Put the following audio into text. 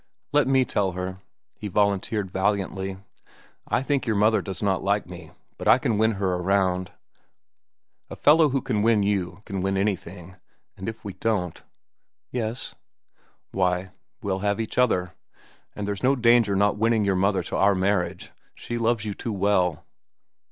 "Let me tell her," he volunteered valiantly. "I think your mother does not like me, but I can win her around. A fellow who can win you can win anything. And if we don't—" "Yes?" "Why, we'll have each other. But there's no danger not winning your mother to our marriage. She loves you too well."